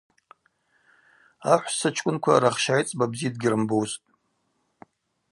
Ахӏвссачкӏвынква рахщайцӏба бзи дгьрымбузтӏ.